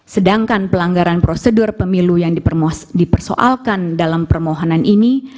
sedangkan pelanggaran prosedur pemilu yang dipersoalkan dalam permohonan ini